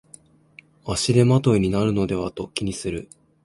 足手まといになるのではと気にする